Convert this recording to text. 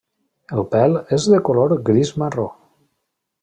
El pèl és de color gris-marró.